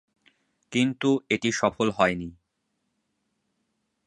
কিন্তু এটি সফল হয়নি।